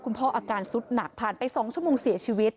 พ่ออาการสุดหนักผ่านไป๒ชั่วโมงเสียชีวิต